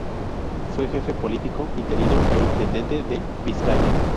Fue Jefe Político interino e Intendente de Vizcaya.